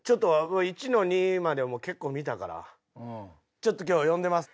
ちょっと今日は呼んでます。